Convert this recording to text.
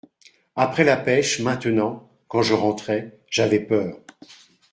Après la pêche, maintenant, quand je rentrais, j'avais peur.